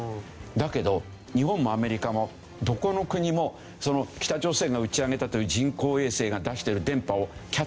だけど日本もアメリカもどこの国も北朝鮮が打ち上げたという人工衛星が出してる電波をキャッチできなかったんです。